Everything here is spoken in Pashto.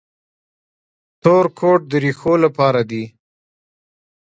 تور کود د ریښو لپاره دی.